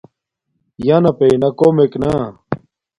ینݳ پئنݳ کݸمݵک نݳ.